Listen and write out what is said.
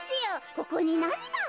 ここになにがあるんじゃ？」。